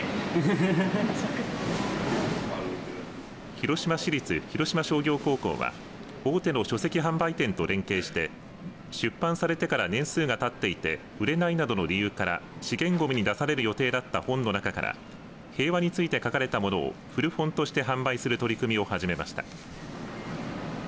広島市立広島商業高校は大手の書籍販売店と連携して出版されてから年数がたっていて売れないなどの理由から資源ごみに出される予定だった本の中から平和について書かれたものを古本として販売する取り組みを始めました。